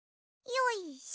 よいしょ！